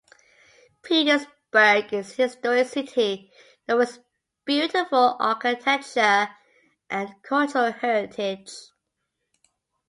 Petersburg is a historic city known for its beautiful architecture and cultural heritage.